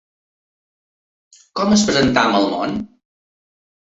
Com ens presentem al món?